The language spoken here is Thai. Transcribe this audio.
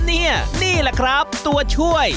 นี่นี่แหละครับตัวช่วย